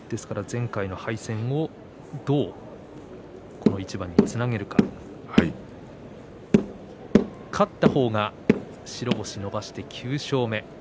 ですから前回の対戦をこの一番につなげるか勝った方が白星を伸ばして９勝目です。